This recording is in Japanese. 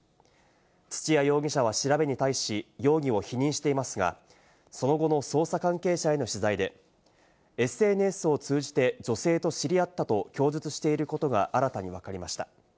土屋容疑者は調べに対し、容疑を否認していますが、その後の捜査関係者への取材で、ＳＮＳを通じて女性と知り合ったと供述していることが新たにわかりました。